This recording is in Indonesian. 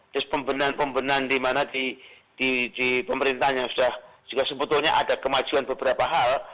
terus pembendahan pembendahan di mana di pemerintahnya sudah juga sebetulnya ada kemajuan beberapa hal